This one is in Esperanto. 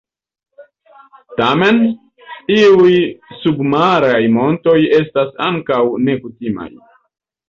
Tamen, iuj submaraj montoj estas ankaŭ nekutimaj.